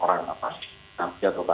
pengelolaan agresivitas itu juga diperlukan